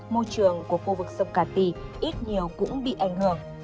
môi trường của khu vực sông cà tì ít nhiều cũng bị ảnh hưởng